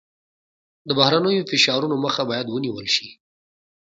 د بهرنیو فشارونو مخه باید ونیول شي.